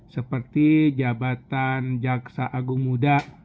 seperti jabatan jaksa agung muda